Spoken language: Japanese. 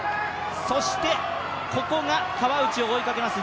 そして、ここが川内を追いかけます